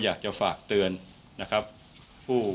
จากนั้นก็จะนำมาพักไว้ที่ห้องพลาสติกไปวางเอาไว้ตามจุดนัดต่าง